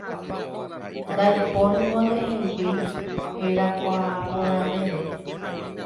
Ndaipóringo ndehegui herakuãporãvéva